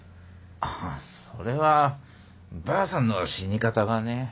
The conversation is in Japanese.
ああそれはばあさんの死に方がね。